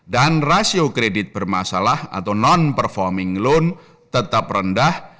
dan rasio kredit bermasalah atau non performing loan tetap rendah